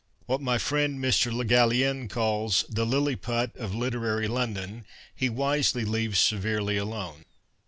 What my friend Mr. Le Gallienne calls The Lilliput of Literary London, he wisely leaves severely alone.